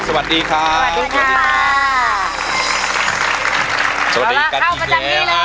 สวัสดีกันอีกแล้ว